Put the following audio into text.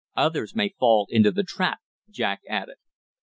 Others may fall into the trap," Jack added.